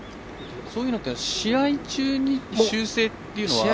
そういうのは、試合中に修正っていうのは。